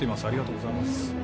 ありがとうございます。